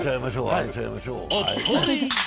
あげちゃいましょう。